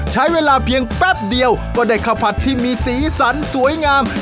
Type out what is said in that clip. ใช้เวลาเพียงแป๊บเดียวก็ได้ข้าวผัดที่มีสีสันสวยงาม